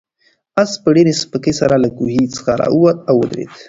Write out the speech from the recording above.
آس په ډېرې سپکۍ سره له کوهي څخه راووت او ودرېد.